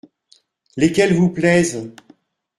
Lesquelles vous plaisent ?